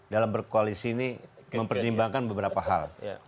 dalam berkoalisi ini mempertimbangkan beberapa hal